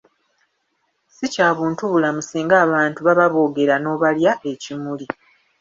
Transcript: Si kya buntubulamu singa abantu baba boogera n’obalya ekimuli.